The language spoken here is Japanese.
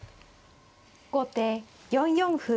後手４四歩。